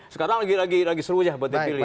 sekarang lagi seru ya buat dipilih